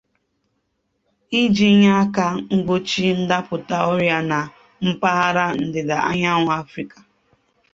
iji nye aka gbochie ndapụta ọrịa na mpaghara ndịda anyanwụ Afrịka